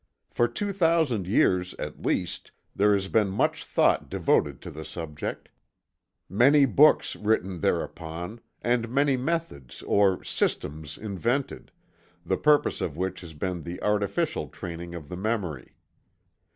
For two thousand years, at least, there has been much thought devoted to the subject; many books written thereupon; and many methods or "systems" invented, the purpose of which has been the artificial training of the memory.